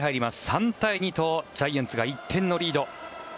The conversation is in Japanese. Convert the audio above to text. ３対２とジャイアンツが１点のリード。